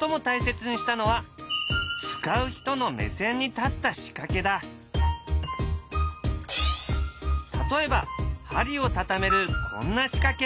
最も大切にしたのは例えば針をたためるこんな仕掛け。